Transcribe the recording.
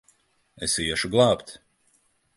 Es iešu glābt!